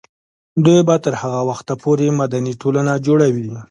دوی به تر هغه وخته پورې مدني ټولنه جوړوي.